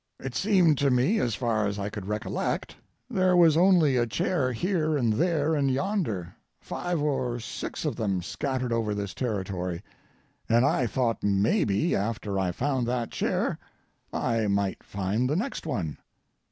It seemed to me, as far as I could recollect, there was only a chair here and there and yonder, five or six of them scattered over this territory, and I thought maybe after I found that chair I might find the next one.